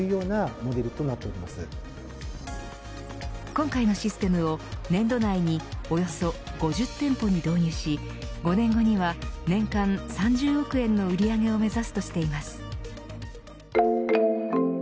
今回のシステムを年度内におよそ５０店舗に導入し５年後には年間３０億円の売り上げを目指すとしています。